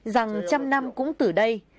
rằng trăm năm cũng từ đây